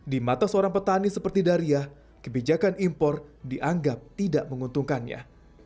di mata seorang petani seperti daria kebijakan impor dianggap tidak menguntungkannya